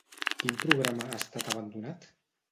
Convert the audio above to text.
Quin programa ha estat abandonat?